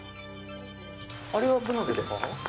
あれはブナですか。